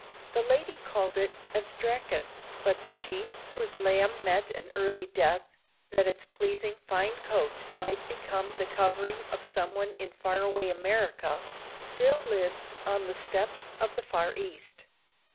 The lady called it astrakhan, but the sheep, whose lamb met an early death that its pleasing fine coat might become the covering of someone in far away America, still lives on the steppes of the Far East.